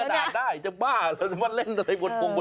เขาเล่นในกระดาษได้จังบ้าแล้วมันเล่นอะไรบนพุงบนพื้น